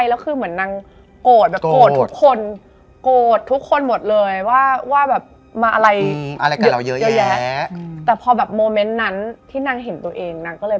ทำไมต้องคิดว่าฉันไปโดนอะไรมาฉันป่วยเฉยมายุ่งอะไร